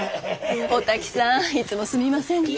おたきさんいつもすみませんね。